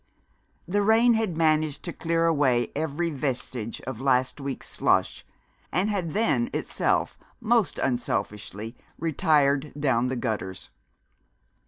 The rain had managed to clear away every vestige of last week's slush, and had then itself most unselfishly retired down the gutters.